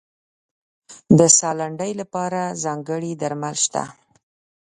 د ساه لنډۍ لپاره ځانګړي درمل شته.